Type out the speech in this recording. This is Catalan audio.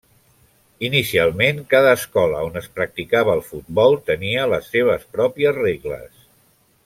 Inicialment, cada escola on es practicava el futbol tenia les seves pròpies regles.